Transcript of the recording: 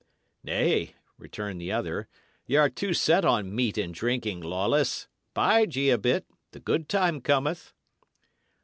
"Nay," returned the other, "y' are too set on meat and drinking, Lawless. Bide ye a bit; the good time cometh."